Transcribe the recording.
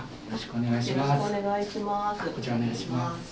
よろしくお願いします。